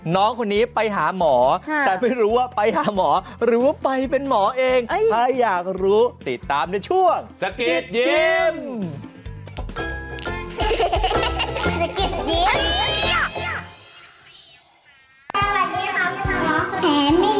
น้องคนนี้ไปหาหมอแต่ไม่รู้ว่าไปหาหมอหรือว่าไปเป็นหมอเองใครอยากรู้ติดตามในช่วงสะกิดยิ้ม